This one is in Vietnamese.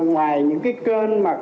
ngoài những kênh mà